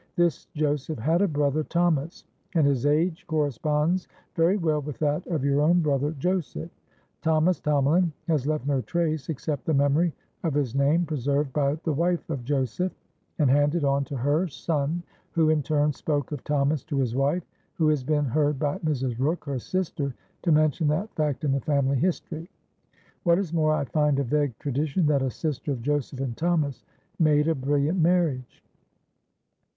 This Joseph had a brother Thomas, and his age corresponds very well with that of your own brother Joseph. Thomas Tomalin has left no trace, except the memory of his name preserved by the wife of Joseph, and handed on to her son, who, in turn, spoke of Thomas to his wife, who has been heard by Mrs. Rooke (her sister) to mention that fact in the family history. What is more, I find a vague tradition that a sister of Joseph and Thomas made a brilliant marriage."